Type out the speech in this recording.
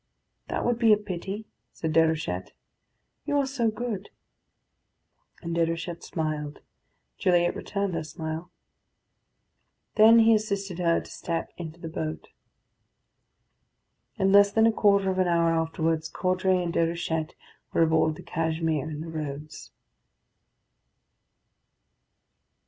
"That would be a pity," said Déruchette; "you are so good." And Déruchette smiled. Gilliatt returned her smile. Then he assisted her to step into the boat. In less than a quarter of an hour afterwards Caudray and Déruchette were aboard the Cashmere in the roads.